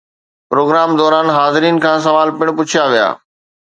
programme دوران حاضرين کان سوال پڻ پڇيا ويا